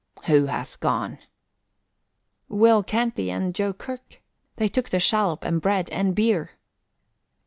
"Who hath gone?" "Will Canty and Joe Kirk. They took the shallop and bread and beer."